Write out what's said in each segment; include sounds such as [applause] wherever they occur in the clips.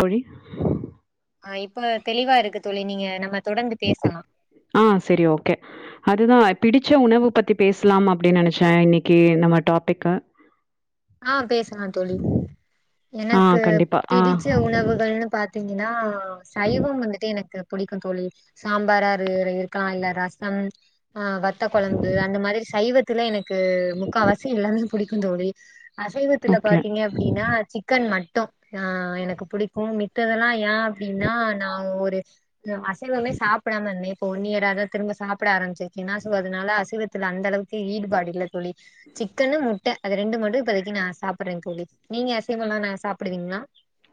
அப்டி ஆ இப்ப தெளிவாருக்கு தோழி நீங்க நம்ம தொடர்ந்து பேசலா ஆ சரி ஓகே அதுதா பிடிச்ச உணவு பத்தி பேசலாம் அப்டின் நெனச்ச இன்னைக்கு நம்ம டாபிக்கு ஆ பேசலாந் தோழி ஆ எனக்கு கண்டிப்பா. ஆ பிடிச்ச உணவுகள்ன்னு பாத்தீங்க ன்னா சைவம் வந்துட்டு எனக்கு புடிக்குந் தோழி சாம்பாரா இரு இருக்கலா இல்ல ரசம் ஆ வத்த கொழம்பு அந்த மாரி சைவத்துல எனக் கு முக்காவாசி எல்லாமே புடிக்குந் தோழி அசைவத்துல ஓகே. பாத்தீங்க அப்டின்னா சிக்கன் மட் மட்டு ஆ எனக்கு புடிக்கூ மித்ததெல்லா ஏ அப்டின்னா நா ஒரு அசைவமே சாப்டாமருந்தேன் ஒன்னியராதா திரும்ப சாப்பிட ஆரம்பிச்சிருக்கேனா சோ அதனால அசைவத்துல அந்தளவுக்கு ஈடுபாடு இல்ல தோழி சிக்கனு முட்ட அது ரெண்டு மட்டு இப்பதைக்கி நா சாப்பிட்றேன் தோழி நீங்க அசைவலா நா சாப்டுவீங்ளா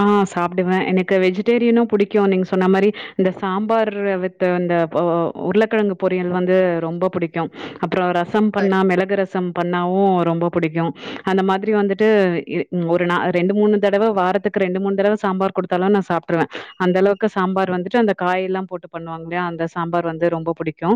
ஆ சாப்டுவ எனக்கு வெஜிடேரியனும் புடிக்கூ நீங்க சொன்ன மாரி இந்த சாம்பார் வித் இந்த பொ உருளக்கெழங்கு பொறியல் வந்து ரொம்ப புடிக்கூ அப்புறோ ரசம் சூப்பர் பண்ணா மெளகு ரசம் பண்ணா ஊ ரொம்ப புடிக்கூ அந்த மாதிரி வந்துட்டு ஒரு நா ரெண்டு மூணு தடவ வாரத் கு ரெண்டு மூண் தடவ சாம்பார் குடுத்தாலு நா சாப்ட்ருவ அந்த அளவுக்கு சாம்பார் வந்துட்டு அந்த காயெலாம் போட்டு பண்ணுவாங்கலயா அந்த சாம்பார் வந்து ரொம்ப புடிக்கூ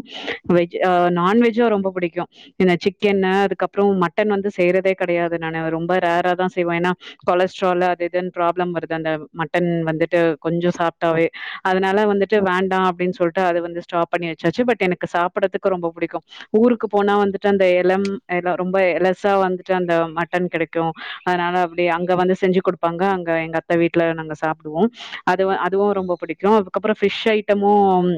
வெஜ் அ நான்வெஜ்ஜு ரொம்ப புடிக்கூ என்ன சிக்கன கப்றோ மட்டன் வந்து செய்யறதே கெடையாது நானு ரொம்ப ரேரா தா செய்வ ஏன்னா கொலஸ்ட்ரால் அது இது ப்ராப்ளம் வருது அந்த மட்டன் வந்துட்டு கொஞ்ஜோ சாப்ட்டாவே அதனால வந்துட்டு வேண்டா அப்டின் சொல்லி டு அது வந்து ஸ்டாப் பண்ணி வச்சாச்சு பட் எனக்கு சாப்றதுக்கு ரொம்ப புடிக்கூ ஊருக்கு போனா வந்துட்டு அந்த எளம் எளோ ரொம்ப எலசா வந்துட்டு அந்த மட்டன் கெடைக்கூ அதனால அப்டி அங்க வந்து செஞ்சு கொடுப்பாங்க அங்க க எங்க அத்த வீட்ல நாங்க சாப்டுவோ அதுவ அதுவு ரொம்ப புடிக்கு அதுக்கப்ற ஃபிஷ் ஐட்டமும்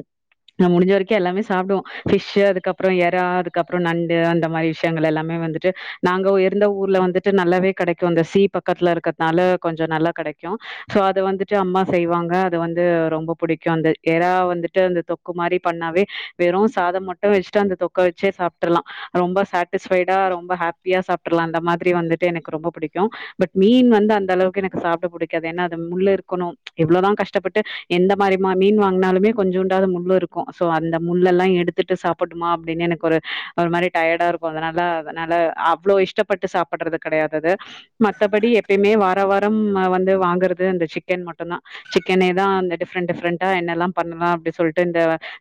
ந முடிஞ்ச வரைக்கு எல்லாமே சாப்டுவோ ஃபிஷு அதுக்கப்ற எறா அதுக்கப்ற நண்டு அந்த மாரி விஷ்யங்கள் எல்லாமே அ வந்துட்டு நாங்க ஒ இருந்த ஊர்ல வந்துட்டு நல்லாவே கெடைக்கு அந்த சி பக்த்ல இருக்கிறத்னால கொஞ்ச ஞ்ச நல்லா கெடைக்கு சோ அது வந்துட்டு அம்மா செய்வாங்க அது வந்து ரொம்ப புடிக்கு அந்த எறா வந்துட்டு அந்த தொக்கு மாரி பண்ணாவே வெறு சாதம் மட்டு வஸ்ட்டு அந்த தொக்க வச்சே சாப்டர்லா ரொம்ப சேட்டி ஸ்ஃபைடா ரொம்ப ஹேப்பியா சாப்ட்ரலா அந்த மாதிரி வந்துட்டு எனக்கு ரொம்ப புடிக்கு பட் மீன் வந்து அந்தளவு எனக்கு சாப்ட புடிக்காது என்னா அது முள்ளு இருக்கணும் எவ்ளதா கஷ்டப்பட்டு எந்த மாரி மா மீன் வாங்னாலுமே கொஞ்ச ஞ்சூண்டாவது முள்ளுருக்கு சோ அந்த முள்ளெல்லா எடுத்துட்டு சாப்புடுமா அப்டின்னு எனக்கு ஒரு ஒரு மாரி டயடாருக்கு அதனால அதனால அவ்ளோ இஷ்டப்பட்டு சாப்பிடறது கெடையாது அது மத்தபடி எப்பிமே வா ர வாரம் வந்து வாங்கறது அந்த சிக்கன் மட்டுந்தா சிக்கனேதா அந்த டிஃப்ரன் டிஃப்ரன்ட்டா என்னெல்லாம் பண்ண நா அப்டி சொல்ட்டு இந்த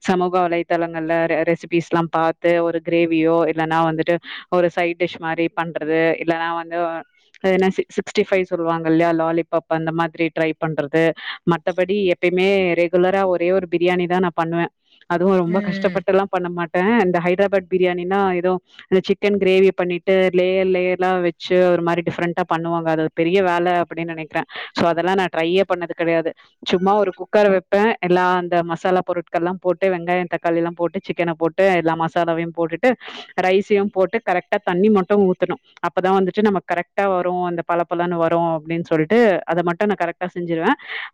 சமூக வலைதளங்கள்ல ரெசிபிஸ்லாம் பாத்து ஒரு கிரேவியோ இல்ல ந ஆ வந்துட்டு ஒரு சைட் டிஷ் மாரி பண்றது இல்லனா வந்து அ என்ன சிக்ஸ்டி ஃபைவ் சொல்லுவாங்க இல்யா லாலிபப் அந்த மாதிரி ட்ரை பண்றது மத்தபடி எப்பிமே ரெகுலரா ஒரே ஒரு பிரியாணிதா நா பண்ணுவே அதுவு ரொம்ப ம் கஷ்டப்பட்டுல்லா பண்ண மாட் த இந்த ஹைட்ராபாட் பிரியாணினா ஏதோ சிக்கன் கிரேவி பண்ணிட்டு லேயர் லேயர்லா வச்சு ஒரு மாரி டிஃப்ரெண்டா பண்ணுவாங்க அது பெரிய வேல அப்டின் நெனைக்ற சோ அதெலா நா ட்ரையே பண்ணது கெடையாது சும்மா ஒரு குக்கர் வப்பே எல் லா அந்த மசாலா பொருட்கள்லாம் போட்டு வெங்காயந் தக்காளிலாம் போட்டு சிக்கன போட்டு எல்லா மசாலாவையும் போட்டுட்டு ரைசியும் போட்டு கரெக்டா தண்ணி மட்டு ஊத்தணு அப்பதா வந்துட்டு நம்ம கரெக்டா வரு அந்த பளப் பள வரு அப்டின் சொல்ட்டு அத மட்டு நா கரெக்டா செஞ்சிருவே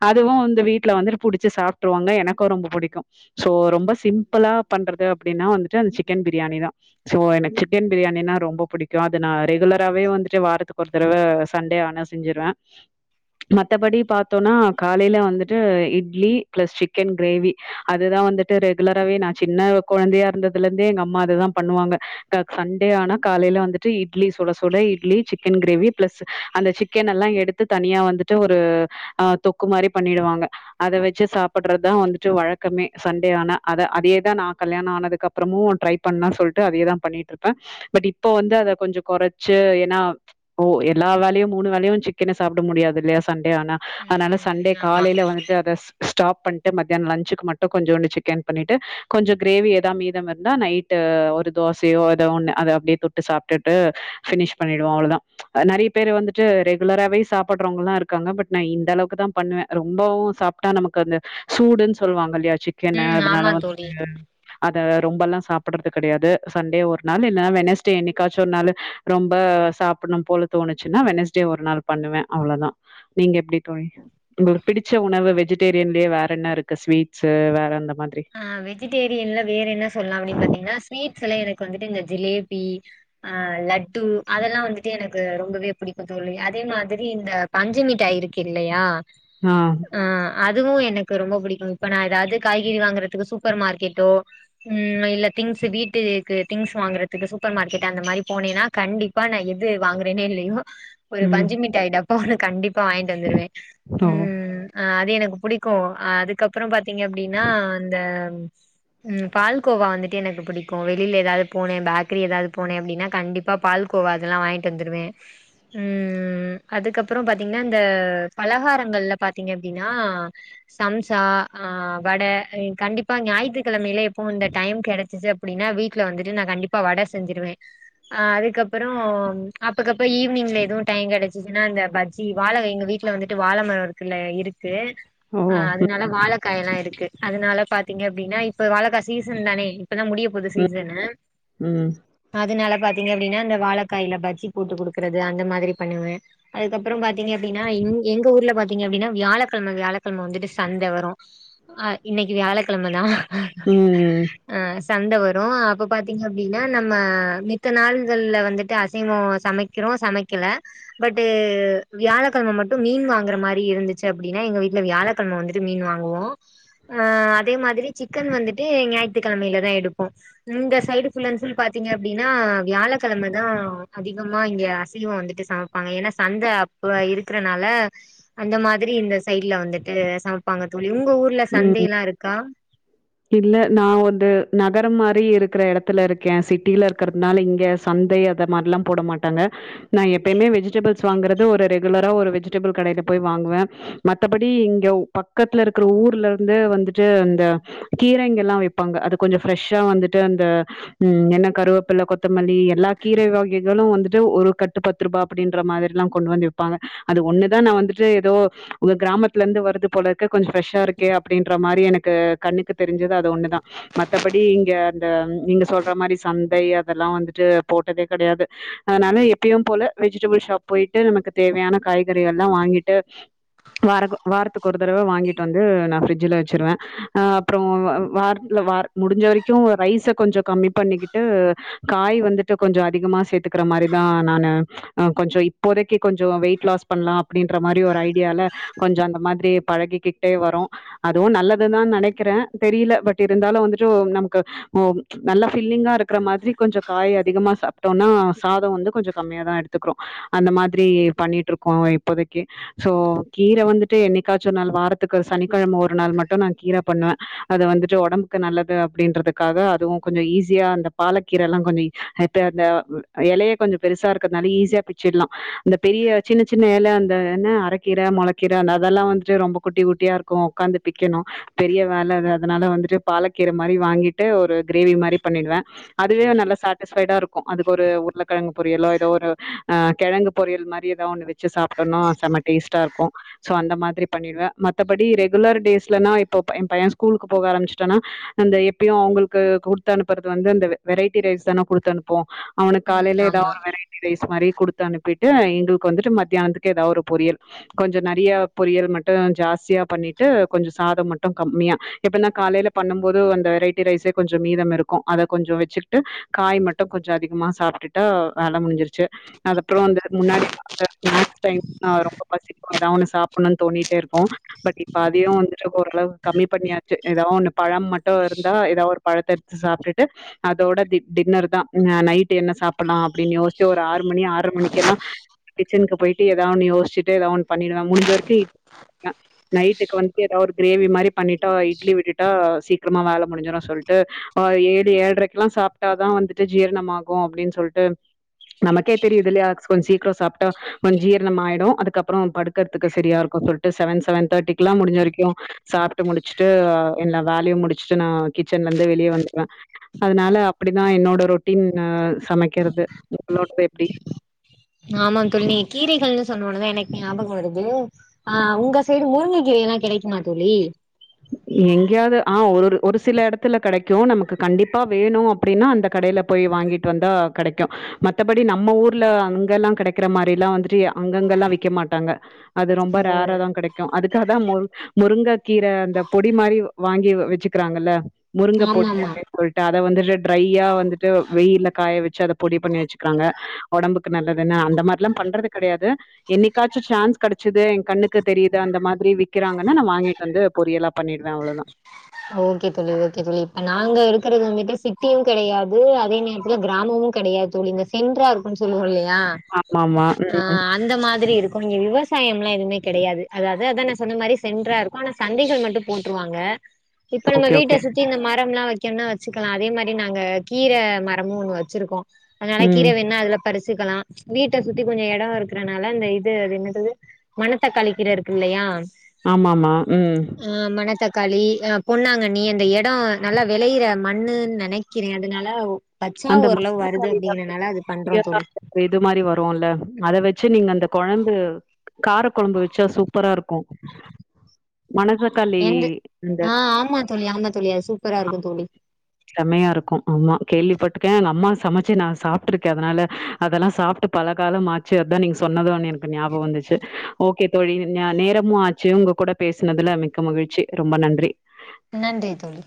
அதுவு இந்த வீட்ல வந்துட்டு புடிச்ச சாப் ட்டுருவாங்க எனக்கு ரொம்ப புடிக்கு சோ ரொம்ப சிம்ப்பிளா பண்றது அப்டின்னா வந்துட்டு அந்த சிக்கன் பிரியாணிதா சோ எனக்கு சிக்கன் பிரியாணின்னா ரொம்ப புடிக்கு அது நா ரெகுலராவே வந்துட்டு வாரத்துக்கு ஒரு தரவ சண்டே ஆனா செஞ்சிருவே மத்தபடி பாத்தோனா காலைல வந்துட்டு இட்லி பிளஸ் சிக்கன் கிரேவி அதுதா வந்துட்டு ரெகுலராவே நா சின்ன குழந்தையா இருந்ததுல இந்தே எங்க அம்மா அதுதா பண்ணுவாங்க க சண்டே ஆனா காலைல வந்துட்டு இட்லி சுட சுட இட்லி சிக்கன் கிரேவி பிளஸ் அந்த சிக்கன் எல்லா எடுத்து தனியா வந்துட்டு ஒரு அ தொக்கு மாரி பண்ணிடுவாங்க அத வச்சு சாப் பண்றத்தா வந்துட்டு வழக்கமே சண்டே ஆனா அத அதேதா நா கல்யாண ஆனதுக்கப்றமு ட்ரை பண்ணா சொல் ன்ட்டு அதேதா பண்ணிட்ருப்பே பட் இப்போ வந்து அத கொஞ்ச கொறச்சு ஏனா ஓ எல்லா வேலையும் மூனு வேலையு சிக்கன சாப்ட முடியாது இல்லையா சண்டே ஆனா ம் அதனால ம் சண்டே ம், ஆமா காலைல வந்துட்டு அத ஸ் ஸ்டாப் பண்ட்டு மத்யான் லஞ்சுக்கு மட்டு கொஞ்சூண்டு சிக்கன் பண்ணிட்டு கொஞ்ச கிரேவி எதா மீதம் இருந்தா நைட்டு அ ஒரு தோசையோ எதோ ஒன்னு அத அப்டியே தொட்டு சாப்ட்டுட்டு பினிஷ் பண்ணிடுவோ அவ்ளோதா நெறையப் பேர் வந்து ட்டு ரெகுலராவே சூடுன் சொல்வாங்கில்யா சிக்கன ம் ஆமா அதனால வந்து தோழி அ த ரொம்பல்லா சாப்பிடறது கெடையாது சண்டே ஒரு நாள் இல்லனா வென்னஸ்டே எண்ணிக்காச்சோ ஒரு நாளு ரொம்ப அ சாப்பின்னும் போல தோணுச்சுனா வென்னஸ் டே ஒரு நாள் பண்ணுவே அவ்ளோதா நீங்க எப்டித் தோழி உங்ளுக்கு பிடிச்ச உணவு வெஜிடேரியன்லியே வேற என்னருக்கு ஸ்வீட்ஸ்சு வேறெந்த அ வெஜிடேரியன்ல வேற என்ன சொல்லா அப்டின் பாத்தீங்னா ஸ்வீட் ல எனக்கு வந்துட்டு இந்த ஜிலேபி அ லட்டு அதெல்லா வந்துட்டு எனக்கு ரொம்பவே புடிக்கு தோ ழி அதே மாதிரி இந்த பஞ்சுமிட்டாய் இருக்கு இல்லையா ஆ அ அதுவு எனக்கு ரொம்ப பிடிக்கும் இப்ப நா ஏதாவது காய்கறி வாங்க றக்கு சூப்பர் மார்க்கெட்டோ உம் இல்ல திங்ஸ் வீட்டுக்கு திங்ஸ் வாங்குறதுக்கு சூப்பர் மார்கெட் அந்த ன் மாரி போனேனா கண்டிப்பா நா எது வாங்கறேனே இல்லையோ ஒரு ம் பஞ்சு மிட்டாய் டப்பா ஒன்னு கண்டிப்பா வாய்ன்ட்டு வந்துருவே ஓ உம் அது எனக் புடிக்கு அதுக்கப்றம் பாத்தீங்க அப்டினா அந்த உம் பால் கோவா வந்துட்டு எனக்கு பிடிக்கு வெளில ஏதாவது போனே பேக்கரி ஏதாவது போனே அப்டினா கண்டிப்பா பால் கோவா அதெலா வாய்ன்ட்டு வந்துருவே உம் அதுக்கப்ற பாத்தீங்னா இந்த பலகாரங்கள்ல பாத்தீங்க அப்டினா சம்சா ஆ வட கண்டிப்பா ஞாயித்துக்கெழமையிலே எப்பவோ இந்த டைம் கெடைச்சிச்சு அப்டீன்னா வீட்ல வந்துட்டு நா கண்டிப்பா வட செஞ்சிருவே அ அதுக்கப்புறோ அப்பக்கப்ப ஈவினிங்ல எதுவு டைம் கெடைச்சிச்சுன்னா இந்தபஜ்ஜி வாழகா எங்க வீட் வீட்ல வந்துட்டு வாழ மரோ இருக்குல இருக்கு ஓ அ அதனால வாழக்காய எல்லா இருக்கு அதனால பாத்தீங்க அப்டீன்னா இப்ப வாழகா சீசன் தானே இப்பதா முடிய போது ம் சீசனு ம் அதுனால பாத்தீங்க அப்டீன்னா இந்த வாழைக்காய்ல பஜ்ஜி போட்டு குடுக்குறது அந்த மாரி பண்ணுவே அதுக்கப்புறோ பாத்தீங்க அப்டீன்னா எங்க ஊர்ல பாத்தீங்க அப்டீன்னா வியாழக்கெழம வியாழக்கெழம வந்துட்டு சந்த வரோ அ இன்னிக்கு வியாழக் கெழமதா ம் ம் ம் சந்த வரோ அப்போ பாத்தீங்க அப்டீன்னா நம்ம மித்த நாள்கல்ல வந்துட்டு அசைவோ சமக்கிறோ இப்போ சமைக்கல பட்டு வியாழக்கெழம மட்டு மீன் வாங்குற மாரி இருந்துச்சு அப்டீன்னா எங்க வீட்ல வி வியாழக்கெழம வந்துட்டு மீன் வாங்குவோ அ அ அதே மாதிரி சிக்கன் வந்துட்டு ஞாயிற்றுக்கிழமிலதா எடுப்போ இந்த சைடு ஃபுல் அன் ஃபுல் பாத்தீங்க அப்டீன்னா அ வியாழக்கெழமதா அதிகமா இங்க அசைவோ வந்துட்டு சமைப்பாங்க ஏன்னா சந்த அப்ப இருக்கிற ஆள அந்த மாதிரி இந்த சைட்ல வந்துட்டு சமைப்பாங்க தோழி உங்க ஊர்ல ம் சந்தைலா இருக் இல்ல நா வந்து நகரம் இந்த மாரி இருக்குற எடத்துல இருக்கே சிட்டில இருக்கிறதுனால இங்க சந்தை அத மார்லா போட மாட்டாங்க நா எப்பயுமே வெஜிடேபிள்ஸ் வாங்குறது ஒரு ரெகுலரா ஒரு வெஜிடேபிள் கடைல போய் வாங்குவே மத்தபடி இங்க ஊ பக்கத்துல இருக்குற ஊர் இதலுர்ந்து வந்துட்டு அந்த கீரைங்கல்லா விப்பாங்க அது கொஞ்சோ ப்ரெஷ்ஷா வந்துட்டு அந்த ம் என்ன கருவேப்பில கொத்தமல்லி எல்லா கீரை வகைகளு வந்துட்டு ஒரு கட்டு பத்துருபா அப்டீன்ற மாதிரில்லா கொண்டு வந்து விப்பாங்க அது ஒன்னுதா நா வந்துட்டு ஏதோ உங்க கிராமத்துல இந்து வருது போல இர்க்கு கொஞ்சோ ப்ரஷ்ஷா இருக் கண்ணுக்கு தெரிஞ்சுது அது ஒண்ணுதா மத்தபடி இங்க அந்த நீங்க சொல்ற மாரி சந்தை அதெல்லா நா வந்துட்டு போட்டதே கெடையாது அதனால எப்பயு போல வெஜிடபிள் ஷாப் போயிட்டு நமக்கு தேவையான காய் க்ராசரி எல்லா வாங்கிட்டு வாரக்கோ வாரத்துக்கொரு தடவ வாங்கிட்டு வந் இது நா ஃபிரிஜ்ஜுல வெச்சிருவே அ அப்றோ வ வாரத்ல வாரத் முடிஞ்ச வரைக்கோ ரைஸு கொஞ்சோ க கம்மி பண்ணிக்கிட்டு காய் வந்துட்டு கொஞ்சோ அதிகமா சேத்துக்குற மாரிதா நானு அ கொஞ்சோ இ இப்போதைக்கக்கு கொஞ்சோ வெயிட் லாஸ் பண்லா அப்டீன்ற மாரி ஒரு ஐடியால கொஞ்சோ அந்த மாதிரி பழகிக் டே வரோ அதுவு நல்லதுதா நெனைக்கிறே தெரியுல பட் இருந்தாலு வந்துட்டு நமக்கு ஓ நல்லா ஃபில்லிங்கா இருக்குற மாதிரி கொஞ்சோ காய் அதிகமா சாப்ட்டோனா சாதோ வந்து கொஞ்சோ கம்மியாதா எடுத்துக்குறோ அந்த மாதிரி பண்ணிட்டு இருக்கோ இப்போதைக்கு சோ கீர வந்துட்டு என்னைக்காச்சு ஒரு நாள் வாரத் க்கு சனிக்கெழம ஒரு நாள் மட்டு நா கீர பண்ணுவே அது வந்துட்டு ஒடம்புக்கு நல்லது அப்டீன்றதுக்காக அதுவு கொஞ்சோ ஈஸியா அந்த பாலக்கீரலா கொஞ்சோ ஹெட்ரியா இந்த எலைய கொஞ்சோ பெருசா இருக்குறதுனால ஈஸியா பிச் ச்சுலா இந்த பெரிய சின்ன சின்ன எல அந்த என்ன அரக்கீர மொளக்கீர அந்த அதெல்லா வந்துட்டு ரொம்போ குட்டி குட்டியா இருக்கோ ஒக்காந்து பிக்கணோ பெரிய வேல அது அதனால வந்துட்டு பாலக்கீர மாரி வாங்கிட்டு ஒரு கிரேவி மாரி பண்ணிடுவே அதுவே நல்லா சாட்டிஸஃபைடா இருக்கோ அதுக்கு ஒரு உருளக்கெழங்கு பொரியலோ ஏதோ ஒரு அ கெழங்க பொரியல் மாரி ஏதாவது ஒன்னு வெச்சு சாப்ட்டுன்னோ செம்ம டேஸ்ட்டா இருக்கோ ஸோ அந்த மாதிரி பண்ணிடுவே மத்தபடி ரெகுலர் டேஸ்லனா இப்ப என் பைய ஸ்கூலுக்கு போக ஆரம்பச்சுட்டனா அந்த எப்பயு அவுங்குளுக்கு குடுத்து அனுப்புறது வந்து அந்த வெரைட்டி ரைஸ் தானே குடுத்தனுப்புவோ அவனுக்கு ம் காலையில ஏதாவது ஆமா. ஒரு வெரைட்டி ரைஸ் மாரி குடுத்து அனுப்பிட்டு எங்குளுக்கு வந்துட்டு மத்தியானத்துக்கு ஏதாவது ஒரு பொரியல் கொஞ்சோ நறைய பொறியல் மட்டோ ஜாஸ்தியா பண்ணிட்டு கொஞ்சோ சாதம் மட்டு கம்மியா இப்பனா காலைல பண்ணும்போதே அந்த வெரைட்டி ரைஸே கொஞ்சோ மீதம் இருக்கோ அத கொஞ்சோ வெச்சுக்கிட்டு காய் மட்டு கொஞ்சோ அதிகமா சாப்டுட்டுட்டா வேல முடிஞ்சிருச்சு அதுப்புறோ வந்து முன்னாடி அ வந்துட்டு ஸ்நாக்ஸ் டைம்லா வரோ ரொம்ப பசிக்கோ ஏதாவொன்னு சாப்புன்னோனு தோணிட்டே இருக் பட் இப்ப அதையு வந்து ஓரளவு கம்மி பண்ணியாச்சு ஏதா ஒன்னு பழம் மட்டு இருந்தா ஏதாவொரு பழத்த எத்து சாப்டிட்டு அ தோட டின் டின்னர் தா அ நைட்டு என்ன சாப்புடுலா அப்டீன்னு யோசிச்சு ஒரு ஆறு மணி ஆர்ற மணிக்கெல்லா கிச்சனுக்கு போயிட்டு ஏதாவொன்னு யோசிச்சுட்டு ஏதாவொன்னு பண்ணிடுவே முடிஞ்ச வரிக்கி நைட்டுக்கு வந்து ஏதாவொரு கிரேவி மாரி பண்ணிட்டோ இட்லி விட்டுட்டா சீ ரக்கமா வேல முடிஞ்சிடோ சொல்ட்டு ஆ ஏழு ஏழரைக்குலா சாப்ட்டாதா வந்துட்டு ஜீரணமாகோ அப்டின்னு சொல்ட்டு நமக்கே தெரியுதில்லயா கொஞ்ச சீக்ர சாப்டா கொஞ்ச ஜீரணமாயிடு அதுக்கப்புற படுக்கறதுக்கு சரியா இருக்கு சொல் ட்டு செவன் செவன் தேர்டிக்லா முடிஞ்ச வரைக்கு சாப்ட்டு முடிச்சுட்டு எல்லா வேலயு முடிச்சுட்டு நா கிச்சன் ல இருந்து வெளிய வந்துருவ அதனால அப்படிதா என்னோட ரொட்டீன் சமைக்கிறது உங்ளோடது எப்டி [inaudible] ஆமா தோழி நீங் கீரைகள்னு சொன்னோனதா எனக்கு ஞாபக வருது ஆ உங்க சைடு முருங்ககீரை லா கெடைக்குமா தோழி எங்கேயாவது ஆ ஒரு ஒரு சில இடத்துல கெடைக்கு நமக்கு கண்டிப்பா வேணு அப்டினா அந்த கடைல போய் வாங்கிட்டு வந்தா கெடைக்கு மத்தபடி நம்ம ஊர்ல அங்கெலா கெடைக்கிற மாரிலா வந்துட்டு அங்கங்கெல்லா விக்க மாட்டாங்க அது ரொம்ப ரேரா தா கெடைக்கு அதுக்காகதா முரு முருங்க கீர பொடி மாரி வாங்கி வச்சுக்கிறாங்கல்ல முருங்கை ஆமா பொடி ஆமா அப்டினு சொல்ட்டு அத வந்துட்டு ட்ரையா வந்துட்டு வெயில காய வச்சு அதை பொடி பண்ணி வச்சுக்றாங்க ஒடம்புக்கு நல்லதுனு அந்த மாரிலா பண்றது கடையாது என்னைக்காச்சு சான்ஸ் கடைச்சது எ கண்ணுக்கு தெரிது அந்த மாரி விக்கறாங்கனா நா வாங்கிட்டு வந்து பொரியலா பண்ணிடுவே அவ்ளதா இருக்றது வந்துட்டு சிட்டியு கெடையாது அதே நேரத்துல கிராமமு கெடையாது தோழி இந்த சென்ட்ரா இருக்குன் சொல்வோ இல்லையா ஆமாமா. ஆ ம். அந்த மாதிரி இருக்குங்க ப்ப இங்க விவசாயம்லா எதுமே கெடையாது அதாது அதா நா சொன்ன மாரி சென்ட்ரா இருக்கு ஆனா சந்தைகள் மட்டு போட்ருவாங்க இப்ப நம்ம ஓகே, வீட்ட ஓகே. சுத்தி இந்த ம மரம்லா வெக்கணுனா வச்சுக்லா அதே மாரி நாங்க கீர மரமு ஒன்னு வச்சிருக்கோ அதனால ம். கீர வேணுனா அதுல பறிச்சுக்கலா வீட்ட சுத்தி கொஞ்ச எட இருக்கறனால அந்த இது அது என்னதது மணத்தக்காளி கீர இருக்குல்ல லயா ஆமாமா ம் தக்காளி அ பொண்ணாங்கன்னி அந்த எடோ நல்லா வெளையிற மண்ணுன் நெனைக்கிறே அதுனால அந்த மணத்தக்காளி பண்றோ தோழி [inaudible] இது மாரி வருல்ல அத வெச் சு நீங்க அந்த கொழம்பு கார கொழம்பு வெச்சா சூ ப்பரா இருக்கு மணத்தக்காளி எந்த இந்த ஆ ஆமா தோழி ஆமா தோழி அது சூப்பரா இருக்கு தோழி செமையா இருக்கு ஆமா கேள்விப்பட்ருக்கே எங்க அம்மா சமைச்சு நா சாப்ட்ருக்கே அதனால அதெல்லா சாப்ட்டு பல காலமாச்சு அதா நீங் சொ சொன்னது எனக்கு ஞாபக வந்துச்சு ஓகே தோழி ந நேரமு ஆச்சு உங்க கூட பேசுனதுல மிக்க மகிழ் ச்சி ரொம்ப நன்றி நன்றி தோழி